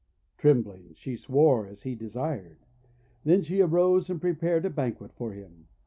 Trembling she swore as he desired. Then she arose and prepared a banquet for him.